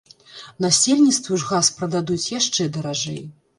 Насельніцтву ж газ прададуць яшчэ даражэй.